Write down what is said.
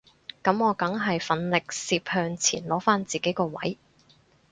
噉我梗係奮力攝向前攞返自己個位